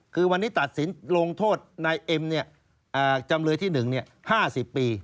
คือวันนี้ตัดสินลงโทษนายเอ็มจำเลยที่๑๕๐ปี